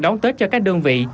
đón tết cho các đơn vị